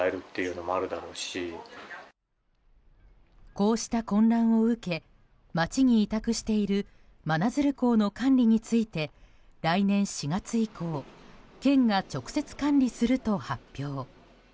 こうした混乱を受け町に委託している真鶴港の管理について来年４月以降県が直接管理すると発表。